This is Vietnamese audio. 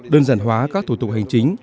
đơn giản hóa các thủ tục hành chính